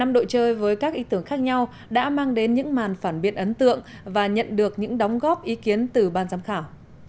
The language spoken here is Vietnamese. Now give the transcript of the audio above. một mươi đội chơi với các ý tưởng khác nhau đã mang đến những màn phản biện ấn tượng và nhận được những đóng góp ý kiến từ ban giám khảo